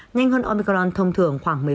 nhanh hơn omicron thông thường khoảng một mươi